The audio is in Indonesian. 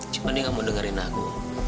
cuma dia gak mau dengerin aku